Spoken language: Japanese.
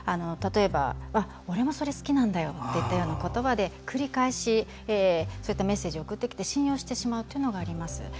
例えば、俺もそれ好きなんだよといった言葉で繰り返しそういったメッセージを送ってきて信用してしまうということあります。